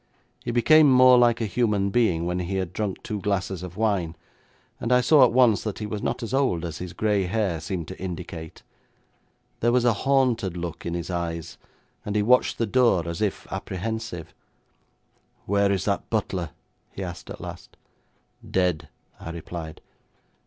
He became more like a human being when he had drunk two glasses of wine, and I saw at once he was not as old as his gray hair seemed to indicate. There was a haunted look in his eyes, and he watched the door as if apprehensive. 'Where is that butler?' he asked at last. 'Dead,' I replied.